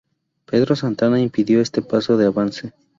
Pedro Santana impidió este paso de avance.